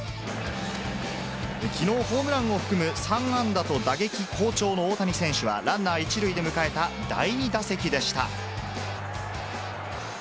きのう、ホームランを含む３安打と、打撃好調の大谷選手はランナー１塁で迎えた第２打席でした。